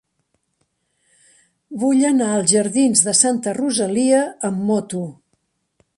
Vull anar als jardins de Santa Rosalia amb moto.